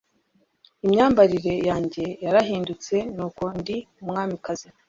imyambarire yanjye yarahindutse, nuko ndi umwamikazi